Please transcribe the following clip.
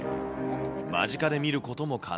間近で見ることも可能。